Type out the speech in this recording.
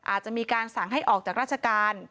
อาจจะมีการสั่งให้ออกจากราชการ